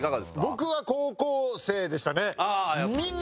僕は高校生でしたね。